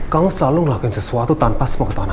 kamu selalu ngelakain sesuatu tanpa semua ketahuan aku